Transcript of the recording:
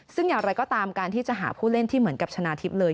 ซึ่งอย่างไรก็ตามการที่จะหาผู้เล่นที่เหมือนกับชนะทิพย์เลย